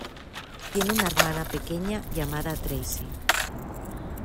Tiene una hermana pequeña llamada Tracy.